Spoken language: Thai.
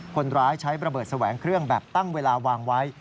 คนร้ายใช้ระเบิดแสวงเครื่องแบบตั้งเวลาวางไว้